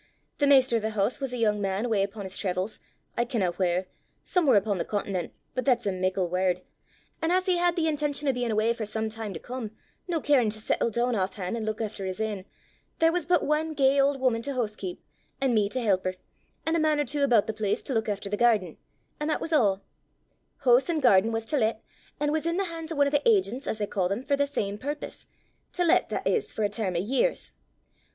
The maister o' the hoose was a yoong man awa' upo' 's traivels, I kenna whaur somewhaur upo' the continent, but that's a mickle word; an' as he had the intention o' bein' awa' for some time to come, no carin' to settle doon aff han' an' luik efter his ain, there was but ane gey auld wuman to hoosekeep, an' me to help her, an' a man or twa aboot the place to luik efter the gairden an' that was a'. Hoose an' gairden was to let, an' was intil the han's o' ane o' thae agents, as they ca' them, for that same purpose to let, that is, for a term o' years.